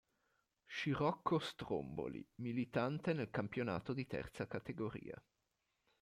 Scirocco Stromboli militante nel campionato di Terza Categoria.